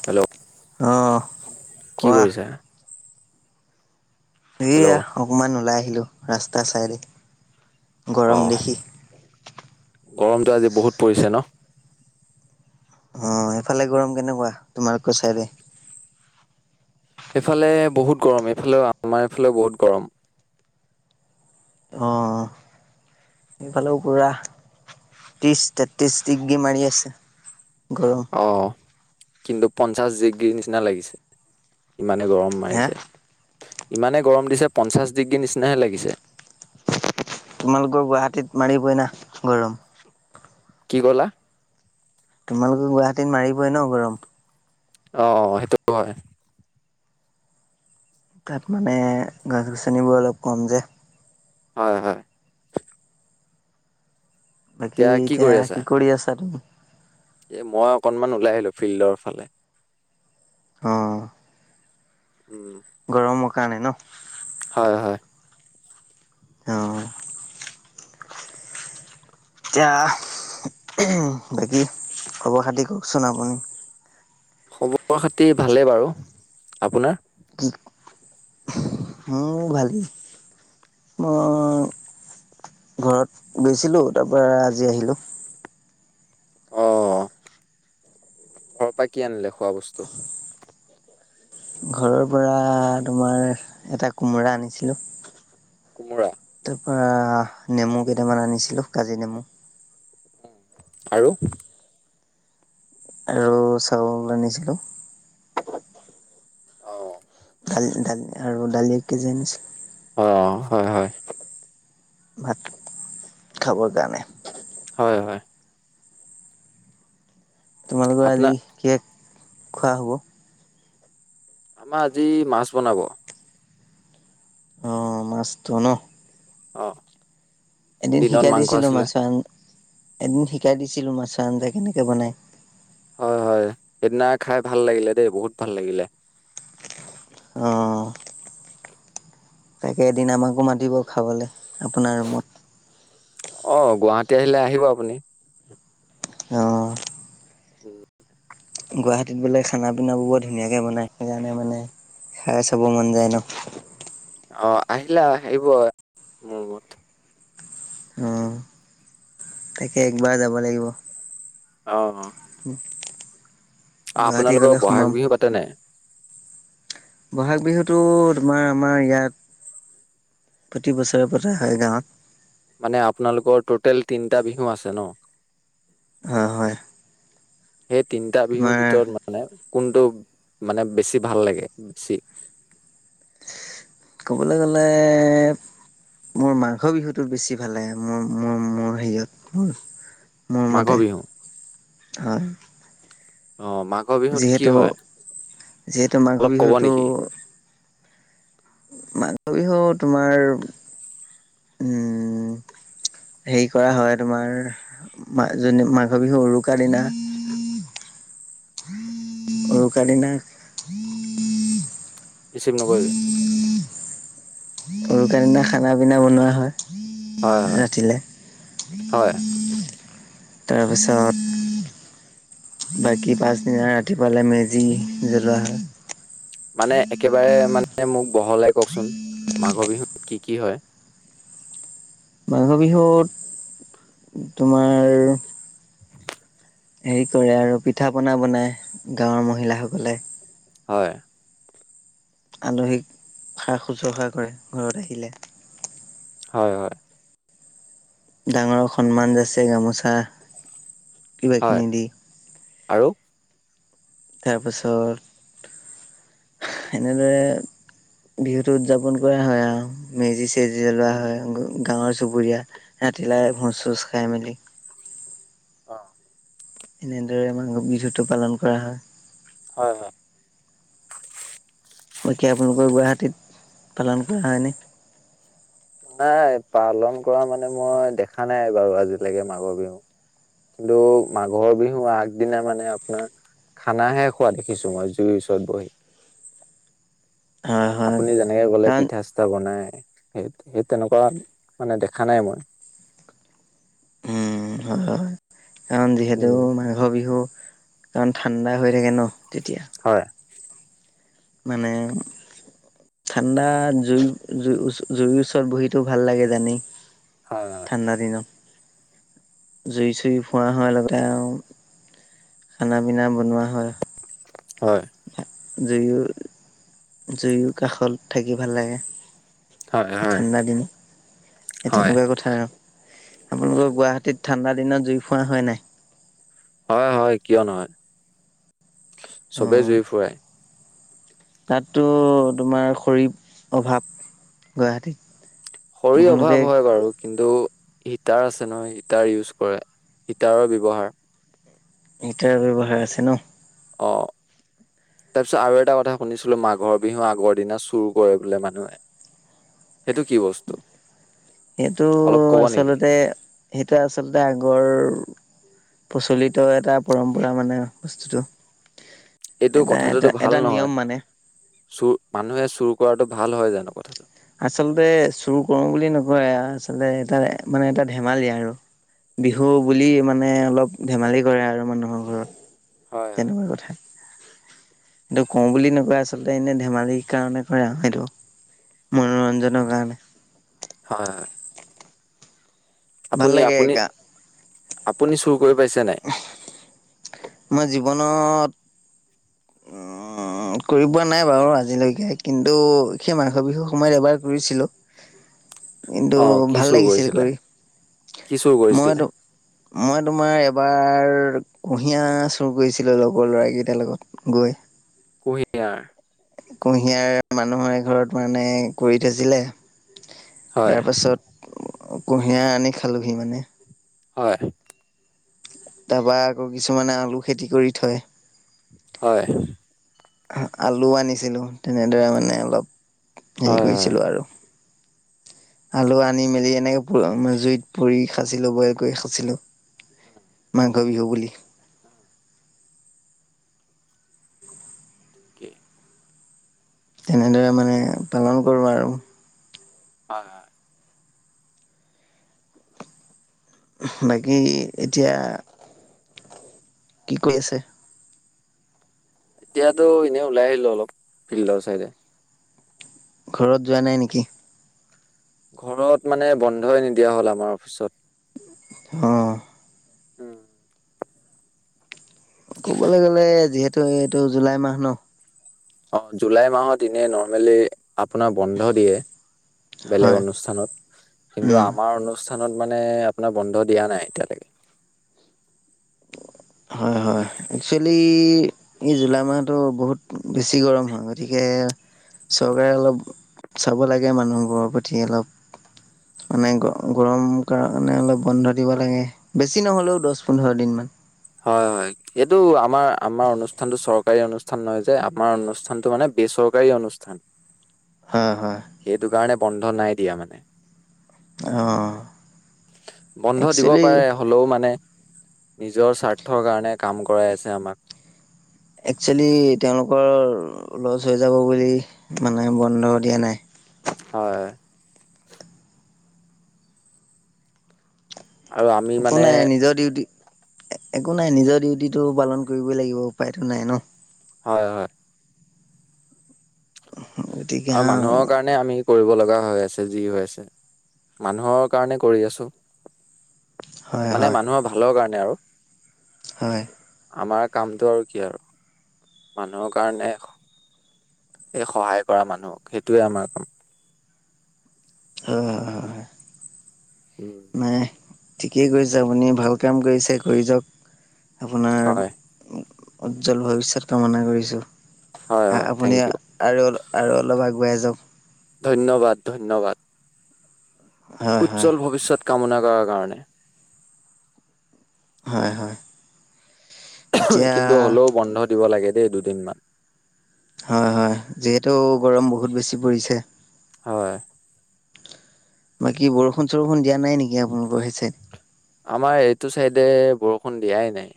Hello অহ কি কোৱা কৰিছা? এয়া অকমান ওলাই আহিলো ৰাস্তা চাইদে অ গৰম দেখি গৰমটো আজি বহুত পৰিছে ন অ', সেইফালে গৰম কেনেকুৱা তোমালোকৰ চাইদে সেইফালে বহুত গৰম এইফালে আমাৰ এইফালে বহুত গৰম অ', এফালেও পুৰা ত্ৰিশ তেত্ৰিশ ডিগ্ৰী মাৰি আছে গৰম অ', কিন্তু পঞ্চাশ ডিগ্ৰী নিচিনা লাগিছে ইমানে গৰম হে মাৰিছে ইমানে গৰম দিছে পঞ্চাশ ডিগ্ৰী নিচিনাহে লাগিছে তোমালোকৰ গুৱাহাটীত মাৰিবই না গৰম কি কলা? তোমালোকৰ গুৱাহাটীত মাৰিবই ন গৰম অ', সেইটো হয় তাত মানে গছ গছনিবোৰ অলপ কম যে হয়, হয়, বাকী এতিয়া কি কৰি আছা ত এ মই অকনমান ওলাই আহিলো ফিল্ডৰ ফালে। অ। উম। গৰমৰ কাৰণে ন? হয় হয়। অ। এতিয়া বাকী খবৰ খাতি কওকচোন আপুনি? খবৰ-খাতি ভালেই বাৰু, আপোনাৰ? মোৰো ভালেই। [unintelligible] ঘৰত গৈছিলো তাৰ পৰা আজি আহিলো। অ ঘৰৰ পৰা কি আনিলে খোৱা বস্তু? ঘৰৰ পৰা তোমাৰ এটা কোমোৰা আনিছিলোঁ। কুমৰা? আহ নেমু কেইটামান আনিছিলো কাজি নেমু। উ আৰু? আৰু চাউল আনিছিলো। অ। দালি-দালি আৰু দালি এক কেজি আনিছিলো। অ হয় হয়। খবৰ কাৰণে। হয় হয়। তোমালোকৰ আপোনাৰ আজি কিহে খোৱা হব? আমাৰ আজি মাছ বনাব। অ মাছটো ন। অ। এদিন দিনত শিকাই মাংস দিছিলো আছিলে মাছৰ আঞ্জা এদিন শিকাই দিছিলো মাছৰ আঞ্জা কেনেকে বনায়। হয় হয় সেইদিনা খাই ভাল লাগিলে দেই, বহুত ভাল লাগিলে। অঁ তাকে এদিন আমাকো মাতিব খাবলৈ আপোনাৰ ৰুমত। অ গুৱাহাটী আহিলে আহিব আপুনি। অঁ উম। গুৱাহাটীত বোলে খানা পিনোৰ বৰ ধুনীয়াকে বনাই সেইকাৰণে মানে খাই চবো মন যায় ন? অ আহিলা আহব মোৰ ৰুমত। উম তাকে একবাৰ যাব লাগিব। অ অ। [unintelligible] অ গুৱাহাটী আপোনালোকৰ গলে সোমাম বহাগ বিহু পাতেনে? ব'হাগ বিহুতটো তোমাৰ আমাৰ ইয়াত প্ৰতি বছৰে পৰা হয় গাঁৱত। মানে আপোনালোকৰ টোটেল তিনটা বিহু আছে ন? হয় হয় সেই তিনিটা বিহুৰ তোমাৰ ভিতৰত মানে কোনটো মানে বেছি ভাল লাগে বেছি। ক'বলৈ গ'লে মোৰ মাঘৰ বিহুতো বেছি ভাল লাগে মোৰ-মোৰ-মোৰ সেইয়ত মাঘৰ বিহু? হয়। অ মাঘৰ বিহুত কি যিহেতু হয় যিহেতু মাঘ অলপ কব বিহুটো নেকি? মাঘৰ বিহু তোমাৰ উম হেৰি কৰা হয়, তোমাৰ মা মাঘ বিহু উৰুকাৰ দিনা [inaudible] উৰুকা দিনা ৰিচিভ নকৰিবি। উৰুকাৰ দিনা খানা পিনা বনোৱা হয়। হয়, হয়, ৰাতিলে হয়। তাৰপিছত বাকী পাছদিনা ৰাতিপুৱালে মেজি জ্বলোৱা হয়। মানে একেবাৰে মানে মোক বহলোই কওকচোন, মাঘৰ বিহুত কি কি হয়? মাঘৰ বিহুত তোমাৰ হেৰি কৰে আৰু, পিঠা পনা বনাই গাঁৱৰ মহিলাসকলে। হয়। আলহীক সা শুশ্ৰূষা কৰে ঘৰত আহিলে। হয়, হয়। ডাঙৰক সন্মান যাছে, গামোচা কিবা হয়, কিনি দি আৰু তাৰপাছত এনেদৰে বিহুতো উদযাপন কৰা হয় আৰু, মেজি চেজি জ্বলোৱা হয়, গাৱৰ চুবুৰীয়া তিলাই ভোজ চোজ খাই মেলি অ'। এনেদৰে মাঘৰ বিহুতটো পালন কৰা হয়। হয়, হয়। বাকী আপোনালোকৰ গুৱাহাটীত পালন কৰা হয়নে? নাই, পালন কৰা মানে মই দেখা নাই বাৰু আজিলৈকে মাঘৰ বিহু। কিন্তু মাঘৰ বিহুৰ আগদিনা মানে আপোনাৰ খানাহে খোৱা দেখিছো মই জুইৰ ওচৰত বহি। হয় হয় আপুনি যেনেকে ক'লে, কাৰণ পিঠা চিঠা বনাই সেই সেই তেনেকুৱা মানে দেখা নাই মই। উম হয় হয় কাৰণ যিহেতু উম, মাঘৰ বিহু কাৰণ ঠাণ্ডা হৈ থাকে ন তেতিয়া। হয়, মানে ঠাণ্ডাত জুই জুই জুইৰ ওচৰত বহিতো ভাল লাগে জানেই। হয়, হয়, ঠাণ্ডা দিনত জুই চুই ফুৱ হয়, লগতে আৰু খানা পিনা বনোৱা হয়। হয়'। জুয়ো জুয়ো কাষত থাকি ভাল লাগে। হয়, হয়, ঠাণ্ডা দিন, সেই হয়, তেনেকুৱা কথা আৰু। আপোনালোকৰ গুৱাহাটীত ঠাণ্ডা দিনত জুই ফুৱা হয় নাই? হয়, হয়, কিয় নহয়, চবেই অ জুই ফুৰাই। তাততো তোমাৰ খৰিৰ অভাৱ, গুৱাহাটীত। খৰীৰ আপোনালোকে অভাৱ হয় বাৰু, কিন্তু হিটাৰ আছে নহয়, হিটাৰ ইউজ কৰে, হিটাৰৰ ব্যৱহাৰ হিটাৰ ব্যৱহাৰ আছে ন। অ'। তাৰ পিছত আৰু এটা কথা শুনিছিলো, মাঘৰ বিহুৰ আগৰ দিনা চুৰ কৰে বোলে মানুহে। সেইটো কি বস্তু? সেইটো অলপ ক'ব নেকি আচলতে সেইটো আচলতে আগৰ প্ৰচলিত এটা পৰম্পৰা মানে বস্তুটো। এইটো এটা এটা কথাটোতো ভাল এটা নহয়, নিয়ম মানে চুৰ মানুহে চুৰ কৰাটো ভাল হয় জানো কথাটো? আচলতে চুৰ কৰো বুলি নকৰে আচলতে এটা মানে এটা ধেমালি আৰু। বিহু বুলি মানে অলপ ধেমালি কৰে আৰু মানুহৰ ঘৰত হয় হয় তেনেকুৱা কথা। সেটো কওঁ বুলি নকয় আচলতে এনে ধেমালিৰ কাৰণে কৰে আৰু সেইটো। মনোৰঞ্জনৰ কাৰণে। হয় হয় আপুনি আপুনি ভালাগেকা। আপুনি চুৰ কৰি পাইছে নে নাই? মই জীৱনত [inaudible] উ কৰি পোৱা নাই বাৰু আজিলৈকে কিন্তু সেই মাঘৰ বিহুৰ সময়ত এবাৰ কৰিছিলো। [inaudible] কিন্তু অ কি ভাল চুৰ লাগিছিল কৰিছিলে কৰি। কি চুৰ কৰিছিলে মইতো মই তোমাৰ এবাৰ কুঁহিয়াৰ চুৰ কৰিছিলো লগৰ লৰা কেইটাৰ লগত গৈ কুঁহিয়াৰ। কুঁহিয়াৰ মানুহৰ এঘৰত মানে কৰি থৈছিলে। হয় তাৰ পাছত কুঁহিয়াৰ আনি খালোহি মানে। হয়। তাৰপা আকৌ কিছুমানে আলু খেতি কৰি থয়। হয়। আলু আনিছিলোঁ তেনেদৰে মানে অলপ হেৰি হয় হয় কৰিছিলোঁ আৰু। [inaudible] আলু আনি মেলি এনেকে জুইত পুৰি খাছিলো বইল কৰি খাছিলো। মাঘৰ বিহু বুলি। উমম থিকেই। তেনেদৰে মানে পালন কৰোঁ আৰু। হয় হয়। বাকী এতিয়া কি কৰি আছে? এতিয়াতো এনেই ওলাই আহিলো অলপ ফিল্ডৰ চাইডে। ঘৰত যোৱা নাই নেকি? ঘৰত মানে বন্ধই নিদিয়া হল আমাৰ অফিচত। আহ। উম। ক'বলৈ গ'লে যিহেতু এইটো জুলাই মাহ ন অ', জুলাই মাহত এনেই নৰ্মেলি আপোনাৰ বন্ধ দিয়ে বেলেগ হয় অনুষ্ঠানত কিন্তু উম আমাৰ অনুষ্ঠান অনুষ্ঠানত মানে আপোনাৰ বন্ধ দিয়া নাই এতিয়ালৈকে। হয় হয় একচুৱেলি এই জুলাই মাহতো বহুত বেছি গৰম হয় গতিকে চৰকাৰে অলপ চাব লাগে মানুহবোৰৰ প্ৰতি অলপ। মানে গ গৰম কাৰণে অলপ বন্ধ দিব লাগে বেছি নহলেও দহ পোন্ধৰ দিন মান। হয় হয় এইটো আমাৰ আমাৰ অনুষ্ঠানতটো চৰকাৰী অনুষ্ঠান নহয় যে আমাৰ অনুষ্ঠানতটো মানে বেচ চৰকাৰী অনুষ্ঠান। হয় হয়। সেইটো কাৰণে বন্ধ নাই দিয়া মানে। অ বন্ধ দিব একচুৱেলি পাৰে হলেও মানে নিজৰ স্বাৰ্থৰ কাৰণে কাম কৰাই আছে আমাক। একচুৱেলি তেওঁলোকৰ ল'চ হৈ যাব বুলি মানে বন্ধ দিয়া নাই। হয়। আৰু আমি একো মানে নাই নিজৰ ডিউটি একো নাই নিজৰ ডিউটিটো পালন কৰিবই লাগিব উপায়তো নাই ন। হয়, হয় গতিকে আৰু হয় মানুহৰ কাৰণে আমি কৰিব লগা হৈ আছে, যি হৈ আছে, মানুহৰ কাৰণে কৰি আছো হয় মানে হয় মানুহৰ ভালৰ কাৰণে আৰু হয়। আমাৰ কামটো আৰু কি আৰু, মানুহৰ কাৰণে এই সহায় কৰা মানুহক সেইটোয়ে আমাৰ কাম। অ', হয় উম ম, ঠিকেই কৰিছে আপুনি ভাল কাম কৰিছে কৰি যাওক আপোনাৰ, হয় উজ্জ্বল ভৱিষয়ত কামনা কৰিছো হয় হা, হয় থেংক আপুনি ইউ আৰু আৰু অলপ আগুৱ়াই যাওক ধন্যবাদ, ধন্যবাদ, হয় হয় উজ্জ্বল ভৱিষ্যত কামনা কৰাৰ কাৰণে হয়, হয়। এতিয়া কিন্তু হ'লেও বন্ধ দিব লাগে দেই দুদিনমান হয়, হয়, যিহেতু গৰম বহুত বেছি পৰিছে হয়। বাকী বৰষুণ চৰষুণ দিয়া নাই নেকি আপোনালোকৰ হ হৈছে আমাৰ এইটো চাইডে বৰষুণ দিয়াই নাই,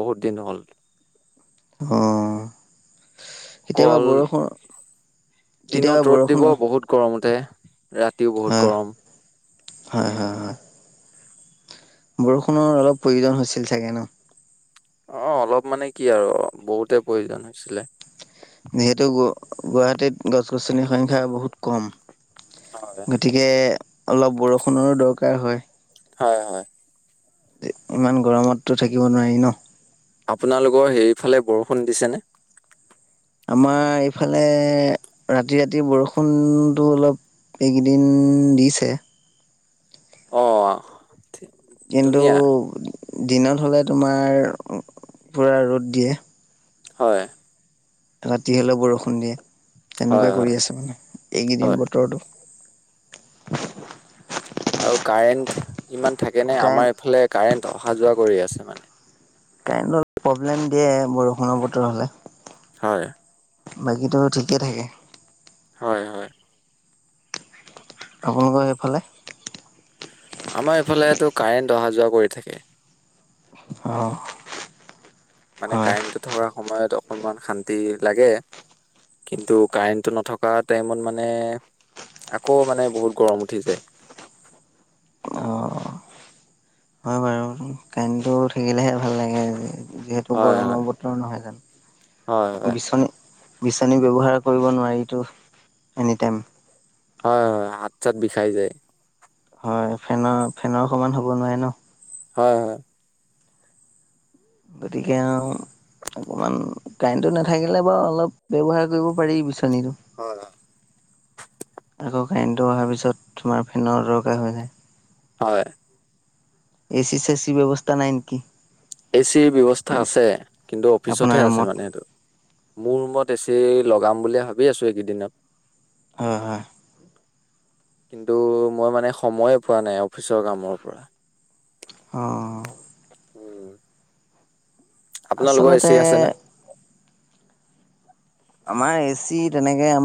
বহুত দিন হ'ল অ', কেতিয়াবা অকল বৰষুণ কেতিয়াবা দিনত ৰ'দ দিব, বৰষুণৰ বহুত গৰম উঠে ৰাতিও বহুত হয়, গৰম হয়, হয়, হয় বৰষুণৰ অলপ প্ৰয়োজন হৈছিল চাগে ন অ', অলপ মানে কি আৰু বহুতে প্ৰয়োজন হৈছিলে যিহেতু, গুৱাহাটীত গছ গছনিৰ সংখ্যা বহুত কম হয় গতিকে, অলপ বৰষুণৰো দৰকাৰ হয় হয়, হয় ইমান গৰমতো থাকিব নোৱাৰি ন আপোনালোকৰ সেইফালে বৰষুণ দিছেনে? আমাৰ এইফালে ৰাতি ৰাতি বৰষুণটো অলপ এইকেইদিন দিছে অ', কিন্তু ধুনীয়া দিনত হ'লে তোমাৰ পূৰা ৰ'দ দিয়ে হয় ৰাতি হলেও বৰষুণ দিয়ে, হয়, তেনেকুৱাই কৰি হয়, আছে মানে হয়। এইকেইদিন বতৰৰতো আৰু কাৰেন্ট ইমান থাকে নে, কাৰেণ্ট আমাৰ এইফালে কাৰেণ্ট অহা যোৱা কৰি আছে মানে কাৰেণ অলপ প্ৰব্লেম দিয়ে বৰষুণৰ বতৰ হলে হয়। বাকীতো ঠিকে থাকে হয়, হয় আপোনালোকৰ সেইফালে? আমাৰ ইফালেো কাৰেণ্ট অহা যোৱা কৰি থাকে অ', মানে হয়। কাৰেণ্টটো থকাৰ সময়ত অকনমান শান্তি লাগে কিন্তু, কাৰেণ্টটো নথকা টাইমত মানে আকৌ মানে, বহুত গৰম উঠি যায় অ', হয় বাৰু কাৰেণ্টটো থাকিলেহে ভাল লাগে যিহেতু হয়, হয়, গৰমৰ বতৰ নহয় হয়, জানো, হয়, বিচনী বিচানী ব্যৱহাৰ কৰিব নোৱাৰো এনিটাইম হয় হয় হাত চাত বিষাই যায়। হয় ফেনৰ ফেনৰ অ সমান হ'ব নোৱাৰে ন। হয় হয়। গতিকে আ অকমান কাৰেণ্টটো নাথাকিলে বাৰু অলপ ব্যৱহাৰ কৰিব পাৰি বিছ টো। হয়, আকৌ কাৰেণ্টটো অহাৰ পিছত তোমাৰ ফেনৰ দৰকাৰ হৈ যায়। হয়। এ চি চেচি ব্যৱস্থা নাই নেকি? এ চি ব্যৱস্থা আছে কিন্তু আপোনাৰ অফিচতহে আছে ৰুমত? মানে সেইটো। মোৰ ৰুমত এচি লগাম বুলিয়ে ভাবি আছো এইকেইদিনত। হয় হয়। কিন্তু মই মানে সময়ে পোৱা নাই অফিচৰ কামৰ পৰা। অ'। উম। আপোনালোকৰ এ আচলতে চি আছে নে? আমাৰ এচি তেনেকে